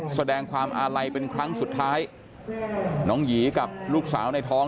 แสดงความอาลัยเป็นครั้งสุดท้ายน้องหยีกับลูกสาวในท้อง